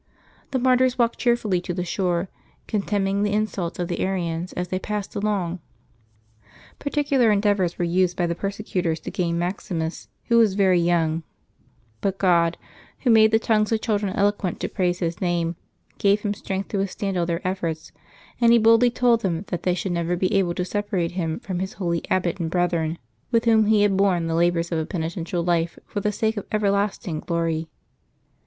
The martyrs walked cheerfully to the shore, contemning the insults of the Arians as they passed along. Particular endeavors were used by the persecutors to gain Maximus, who was very young; but God, Who makes the tongues of children eloquent to praise His name, gave him strength to withstand all their efforts, and he boldly told them that they should never be able to separate him from his holy abbot and brethren, with whom he had borne the labors of a penitential life for the sake of everlasting glory.